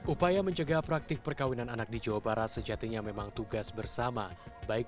upaya mencegah praktik perkawinan anak di jawa barat sejatinya memang tugas bersama baik